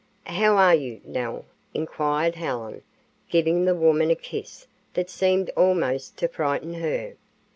"How are you, Nell?" inquired Helen, giving the woman a kiss that seemed almost to frighten her.